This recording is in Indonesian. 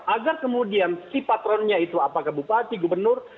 agar kemudian si patronnya itu apakah bupati gubernur